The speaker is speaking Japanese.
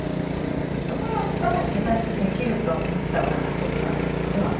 どうやったら解脱できるとブッダは悟ったんですか？